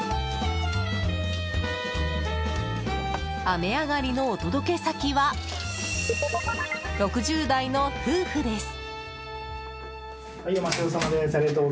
雨上がりのお届け先は６０代の夫婦です。